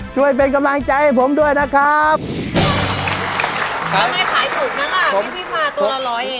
ช่วยเป็นกำลังใจให้ผมด้วยนะครับแล้วไงขายถูกนั้นอ่ะพี่พี่ฟาตัวละร้อยเอง